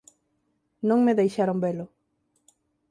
Non me deixaron velo